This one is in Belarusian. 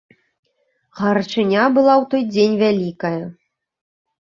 Гарачыня была ў той дзень вялікая.